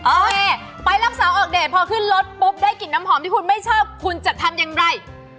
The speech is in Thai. ไปรับสาวออกเดทพอขึ้นรถปุ๊บได้กลิ่นน้ำหอมที่คุณไม่ชอบคุณจะทำอย่างไร